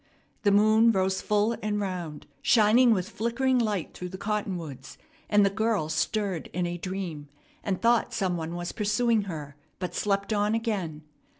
The moon rose full and round, shining with flickering light through the cottonwoods; and the girl stirred in a dream and thought some one was pursuing her, but slept on again.